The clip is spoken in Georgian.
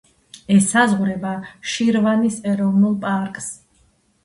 ესაზღვრება შირვანის ეროვნულ პარკს.